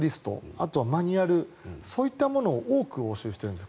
あとはマニュアルそういったものを多く押収しているんです。